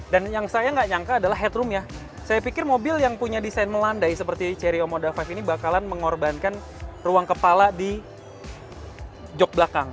dan yang saya nggak nyangka adalah head room nya saya pikir mobil yang punya desain melandai seperti cerio moda lima ini bakalan mengorbankan ruang kepala di jog belakang